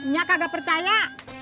nya kagak percaya